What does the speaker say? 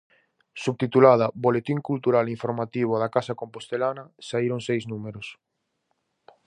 Subtitulada "Boletín Cultural e Informativo da Casa Compostelana", saíron seis números.